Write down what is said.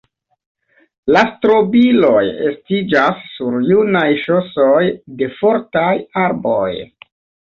La strobiloj estiĝas sur junaj ŝosoj de fortaj arboj.